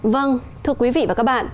vâng thưa quý vị và các bạn